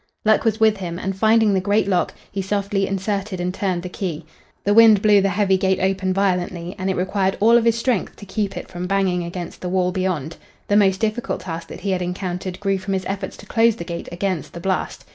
Luck was with him, and, finding the great lock, he softly inserted and turned the key. The wind blew the heavy gate open violently, and it required all of his strength to keep it from banging against the wall beyond. The most difficult task that he had encountered grew from his efforts to close the gate against the blast.